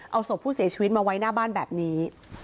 เอาศพผู้เสียชีวิตมาไว้หน้าบ้านแบบนี้